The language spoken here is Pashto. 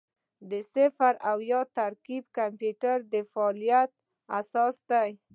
د صفر او یو ترکیب د کمپیوټر د فعالیت اساس دی.